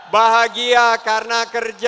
bahagia karena kerja tersedia